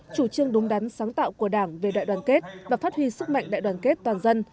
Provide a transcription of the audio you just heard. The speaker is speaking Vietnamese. chủ trương đúng đắn sáng tạo của đảng về đại đoàn kết và phát huy sức mạnh đại đoàn kết toàn dân